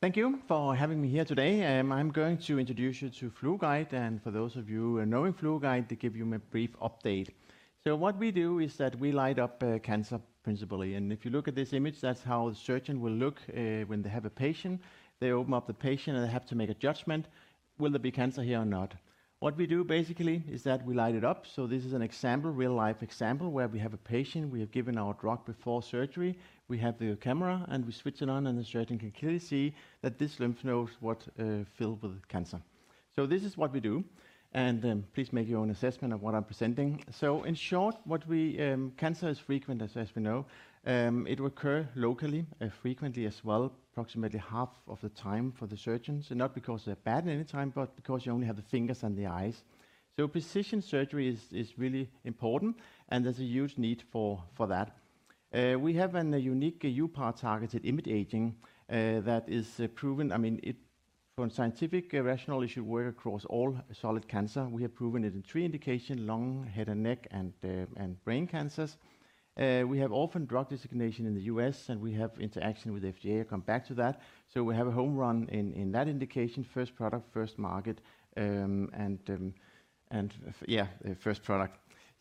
Thank you for having me here today. I'm going to introduce you to FluoGuide, and for those of you knowing FluoGuide, they give you a brief update. So what we do is that we light up cancer principally, and if you look at this image, that's how the surgeon will look when they have a patient. They open up the patient, and they have to make a judgment: will there be cancer here or not? What we do basically is that we light it up. So this is an example, real-life example, where we have a patient. We have given our drug before surgery. We have the camera, and we switch it on, and the surgeon can clearly see that this lymph node is filled with cancer. So this is what we do, and please make your own assessment of what I'm presenting. So in short, cancer is frequent, as we know. It will occur locally frequently as well, approximately half of the time for the surgeons, and not because they're bad at any time, but because you only have the fingers and the eyes. So precision surgery is really important, and there's a huge need for that. We have a unique uPAR-targeted imaging that is proven. I mean, from scientific rationale, it should work across all solid cancers. We have proven it in three indications: lung, head and neck, and brain cancers. We have orphan drug designation in the U.S., and we have interaction with FDA. I'll come back to that. So we have a home run in that indication: first product, first market, and yeah, first product.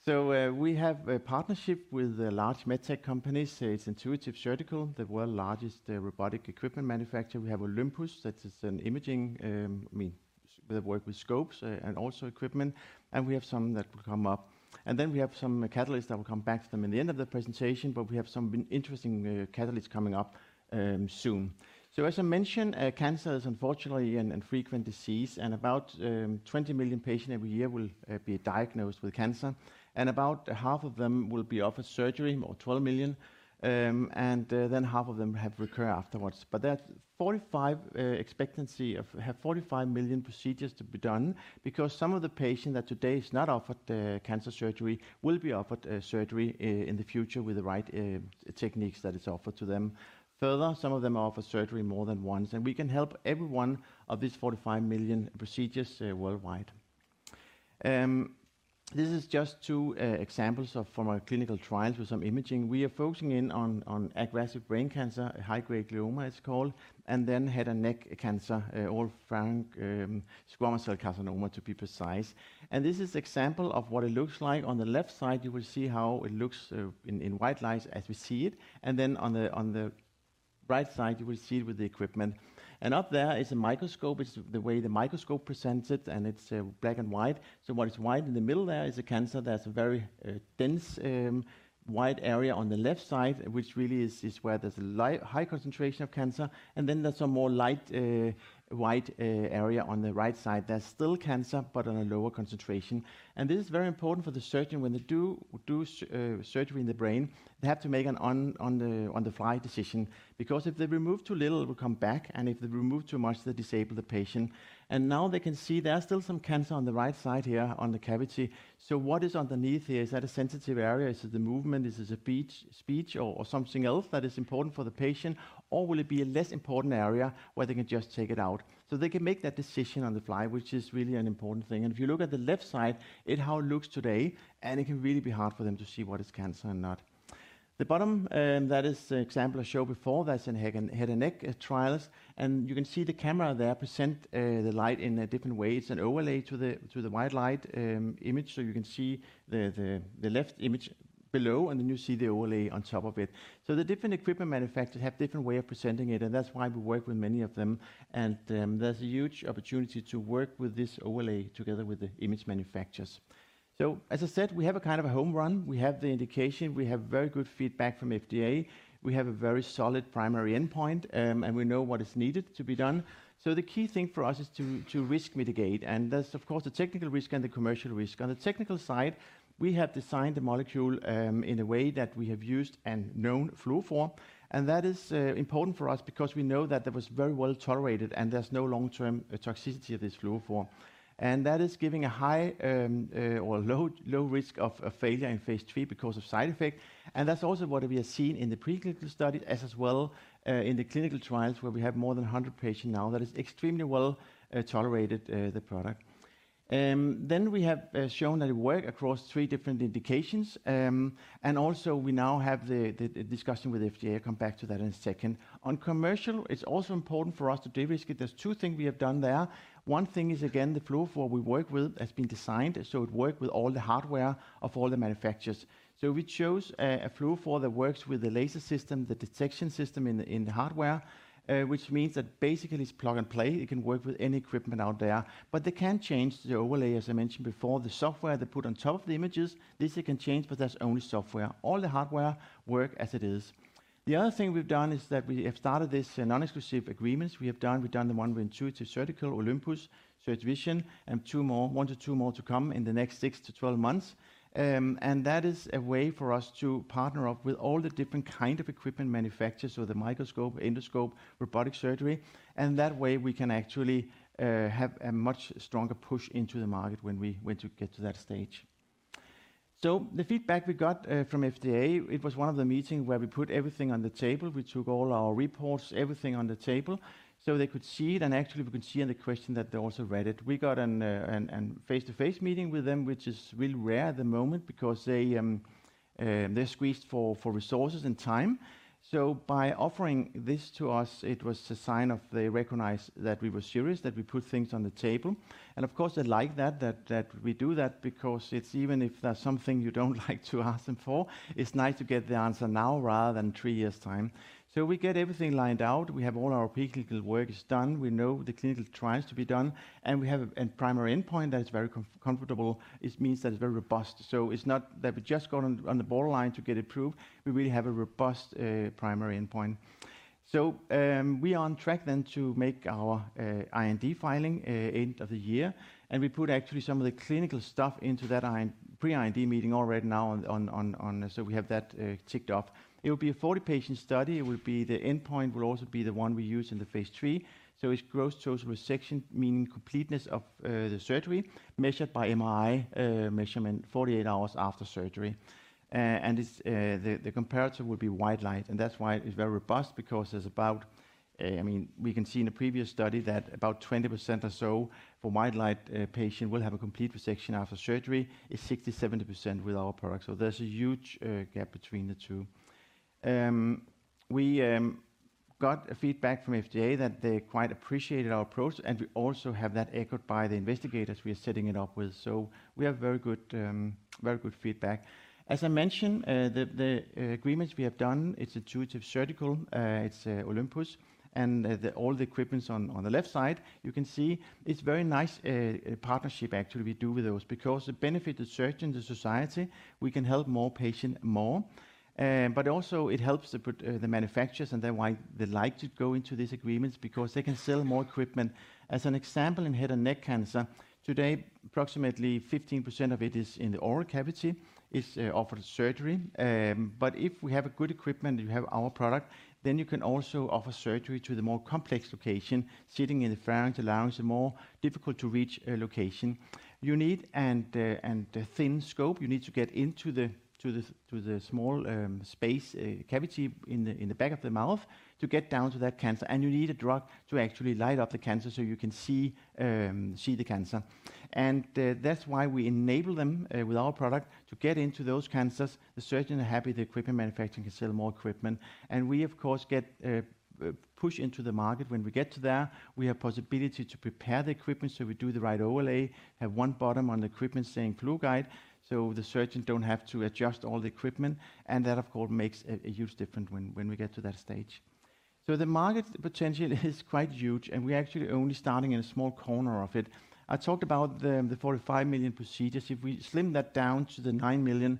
So we have a partnership with large medtech companies. It's Intuitive Surgical, the world's largest robotic equipment manufacturer. We have Olympus, that is an imaging, I mean, they work with scopes and also equipment, and we have some that will come up, and then we have some catalysts that will come back to them at the end of the presentation, but we have some interesting catalysts coming up soon, so as I mentioned, cancer is unfortunately a frequent disease, and about 20 million patients every year will be diagnosed with cancer, and about half of them will be offered surgery, or 12 million, and then half of them have recurred afterwards, but there's 45 expectancy of 45 million procedures to be done because some of the patients that today are not offered cancer surgery will be offered surgery in the future with the right techniques that are offered to them. Further, some of them are offered surgery more than once, and we can help every one of these 45 million procedures worldwide. This is just two examples from our clinical trials with some imaging. We are focusing in on aggressive brain cancer, high-grade glioma it's called, and then head and neck cancer, all from squamous cell carcinoma to be precise, and this is an example of what it looks like. On the left side, you will see how it looks in white light as we see it, and then on the right side, you will see it with the equipment, and up there is a microscope, which is the way the microscope presents it, and it's black and white, so what is white in the middle there is a cancer. There's a very dense white area on the left side, which really is where there's a high concentration of cancer, and then there's a more light white area on the right side. There's still cancer, but on a lower concentration, and this is very important for the surgeon when they do surgery in the brain. They have to make an on-the-fly decision because if they remove too little, it will come back, and if they remove too much, they disable the patient, and now they can see there's still some cancer on the right side here on the cavity, so what is underneath here? Is that a sensitive area? Is it the movement? Is it speech or something else that is important for the patient? or will it be a less important area where they can just take it out? They can make that decision on the fly, which is really an important thing. If you look at the left side, it's how it looks today, and it can really be hard for them to see what is cancer or not. The bottom, that is an example I showed before. That's in head and neck trials, and you can see the camera there present the light in different ways. It's an overlay to the white light image, so you can see the left image below, and then you see the overlay on top of it. The different equipment manufacturers have different ways of presenting it, and that's why we work with many of them, and there's a huge opportunity to work with this overlay together with the image manufacturers. As I said, we have a kind of a home run. We have the indication. We have very good feedback from FDA. We have a very solid primary endpoint, and we know what is needed to be done. So the key thing for us is to risk mitigate, and there's, of course, the technical risk and the commercial risk. On the technical side, we have designed the molecule in a way that we have used and known fluorophore, and that is important for us because we know that it was very well tolerated, and there's no long-term toxicity of this fluorophore, and that is giving a high or low risk of failure in phase III because of side effects, and that's also what we have seen in the preclinical studies as well in the clinical trials where we have more than 100 patients now that have extremely well tolerated the product. Then we have shown that it works across three different indications, and also we now have the discussion with FDA. I'll come back to that in a second. On commercial, it's also important for us to de-risk it. There's two things we have done there. One thing is, again, the fluorophore we work with has been designed so it works with all the hardware of all the manufacturers. So we chose a fluorophore that works with the laser system, the detection system in the hardware, which means that basically it's plug and play. It can work with any equipment out there, but they can change the overlay, as I mentioned before, the software they put on top of the images. This they can change, but that's only software. All the hardware works as it is. The other thing we've done is that we have started this non-exclusive agreements. We have done the one with Intuitive Surgical, Olympus, SurgiVision, and one to two more to come in the next six to 12 months, and that is a way for us to partner up with all the different kinds of equipment manufacturers, so the microscope, endoscope, robotic surgery, and that way we can actually have a much stronger push into the market when we get to that stage, so the feedback we got from FDA, it was one of the meetings where we put everything on the table. We took all our reports, everything on the table, so they could see it, and actually we could see in the question that they also read it. We got a face-to-face meeting with them, which is really rare at the moment because they're squeezed for resources and time. By offering this to us, it was a sign of they recognize that we were serious, that we put things on the table, and of course they like that, that we do that because even if there's something you don't like to ask them for, it's nice to get the answer now rather than three years' time. So we get everything lined out. We have all our preclinical work done. We know the clinical trials to be done, and we have a primary endpoint that is very comfortable. It means that it's very robust. So it's not that we just got on the borderline to get approved. We really have a robust primary endpoint. So we are on track then to make our IND filing at the end of the year, and we put actually some of the clinical stuff into that pre-IND meeting already now, so we have that ticked off. It will be a 40-patient study. The endpoint will also be the one we use in the phase III. So it's gross total resection, meaning completeness of the surgery measured by MRI measurement 48 hours after surgery, and the comparator will be white light, and that's why it's very robust because there's about, I mean, we can see in a previous study that about 20% or so for white light patients will have a complete resection after surgery. It's 60%-70% with our product, so there's a huge gap between the two. We got feedback from FDA that they quite appreciated our approach, and we also have that echoed by the investigators we are setting it up with, so we have very good feedback. As I mentioned, the agreements we have done. It's Intuitive Surgical, it's Olympus, and all the equipment on the left side you can see. It's a very nice partnership actually we do with those because it benefits the surgeon, the society. We can help more patients more, but also it helps the manufacturers, and that's why they like to go into these agreements because they can sell more equipment. As an example, in head and neck cancer, today approximately 15% of it, in the oral cavity, is offered surgery, but if we have good equipment, you have our product, then you can also offer surgery to the more complex location, sitting in the pharynx, the larynx, the more difficult-to-reach location. You need a thin scope. You need to get into the small space cavity in the back of the mouth to get down to that cancer, and you need a drug to actually light up the cancer so you can see the cancer, and that's why we enable them with our product to get into those cancers. The surgeon is happy the equipment manufacturer can sell more equipment, and we, of course, get pushed into the market. When we get there, we have the possibility to prepare the equipment so we do the right overlay, have one button on the equipment saying FluoGuide, so the surgeon doesn't have to adjust all the equipment, and that, of course, makes a huge difference when we get to that stage. So the market potential is quite huge, and we're actually only starting in a small corner of it. I talked about the 45 million procedures. If we slim that down to the 9 million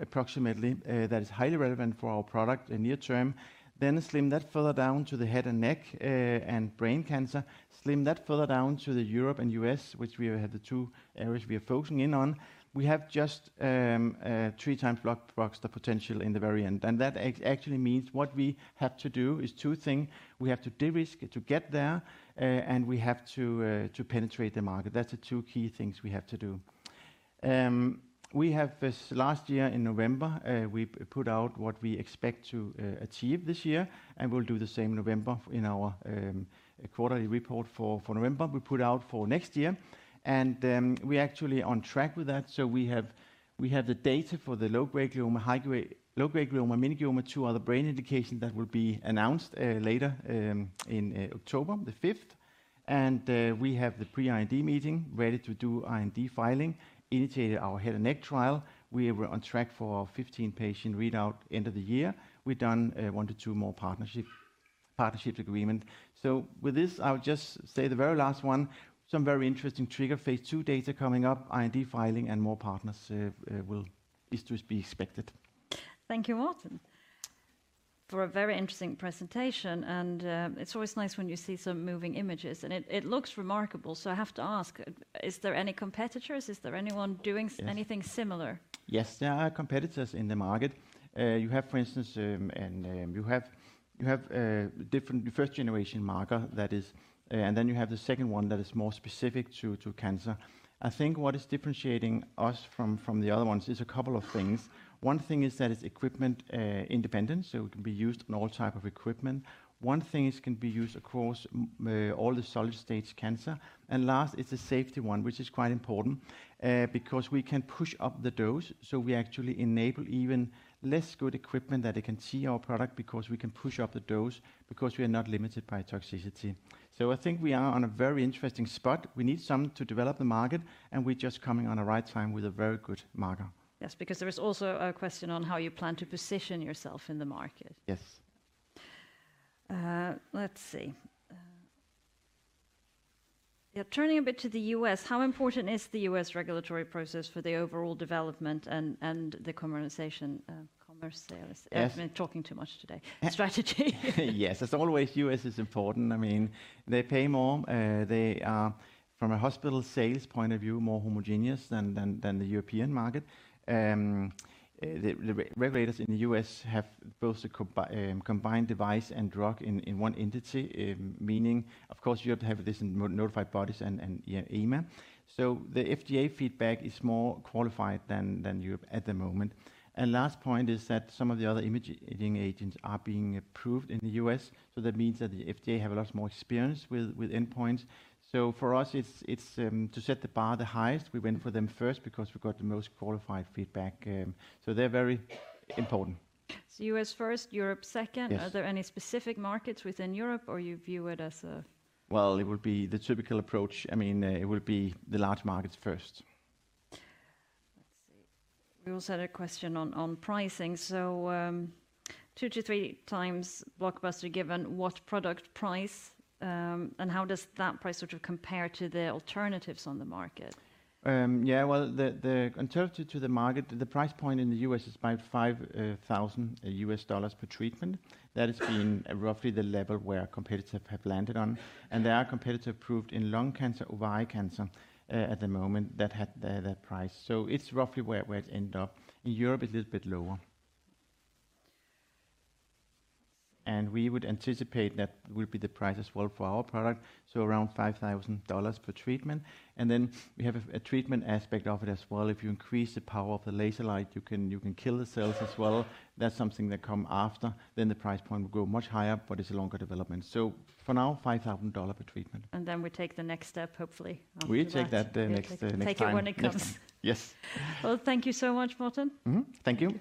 approximately, that is highly relevant for our product in near term, then slim that further down to the head and neck and brain cancer, slim that further down to the Europe and U.S., which we have the two areas we are focusing in on. We have just three times blockbuster potential in the very end, and that actually means what we have to do is two things. We have to de-risk to get there, and we have to penetrate the market. That's the two key things we have to do. Last year, in November, we put out what we expect to achieve this year, and we'll do the same in November in our quarterly report for November. We put out for next year, and we're actually on track with that, so we have the data for the low-grade glioma, high-grade glioma, meningioma, two other brain indications that will be announced later in October the 5th, and we have the pre-IND meeting ready to do IND filing, initiated our head and neck trial. We were on track for our 15-patient readout end of the year. We've done one to two more partnership agreements. With this, I'll just say the very last one, some very interesting interim phase II data coming up, IND filing, and more partners will be expected. Thank you, Morten, for a very interesting presentation, and it's always nice when you see some moving images, and it looks remarkable. So I have to ask, is there any competitors? Is there anyone doing anything similar? Yes, there are competitors in the market. You have, for instance, you have different first-generation markers that is, and then you have the second one that is more specific to cancer. I think what is differentiating us from the other ones is a couple of things. One thing is that it's equipment independent, so it can be used on all types of equipment. One thing is it can be used across all the solid stage cancer, and last is the safety one, which is quite important because we can push up the dose, so we actually enable even less good equipment that they can see our product because we can push up the dose because we are not limited by toxicity. So I think we are on a very interesting spot. We need some time to develop the market, and we're just coming at the right time with a very good marker. Yes, because there is also a question on how you plan to position yourself in the market. Yes. Let's see. Yeah, turning a bit to the U.S., how important is the U.S. regulatory process for the overall development and the commercial sales? I've been talking too much today. Strategy? Yes, as always, the U.S. is important. I mean, they pay more. They are, from a hospital sales point of view, more homogeneous than the European market. The regulators in the U.S. have both a combined device and drug in one entity, meaning, of course, you have to have this in notified bodies and EMA. So the FDA feedback is more qualified than Europe at the moment. And last point is that some of the other imaging agents are being approved in the U.S., so that means that the FDA has a lot more experience with endpoints. So for us, it's to set the bar the highest. We went for them first because we got the most qualified feedback, so they're very important. So U.S. first, Europe second. Are there any specific markets within Europe, or you view it as a? It would be the typical approach. I mean, it would be the large markets first. Let's see. We also had a question on pricing. So two to three times blockbuster given what product price, and how does that price sort of compare to the alternatives on the market? Yeah, well, the alternative to the market, the price point in the U.S. is about $5,000 per treatment. That has been roughly the level where competitors have landed on, and there are competitors approved in lung cancer, ovarian cancer at the moment that had that price, so it's roughly where it ended up. In Europe, it's a little bit lower, and we would anticipate that will be the price as well for our product, so around $5,000 per treatment. And then we have a treatment aspect of it as well. If you increase the power of the laser light, you can kill the cells as well. That's something that comes after. Then the price point will go much higher, but it's a longer development. So for now, $5,000 per treatment. And then we take the next step, hopefully. We take that next step. Take it when it comes. Yes. Thank you so much, Morten. Thank you.